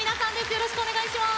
よろしくお願いします。